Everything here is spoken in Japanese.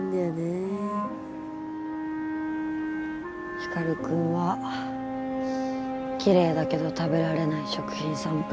光くんはきれいだけど食べられない食品サンプルと同じか。